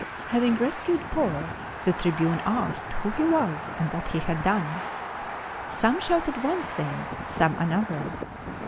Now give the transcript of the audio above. Having secured Paul, the tribune asked who he was and what he had done. Some shouted one thing, some another.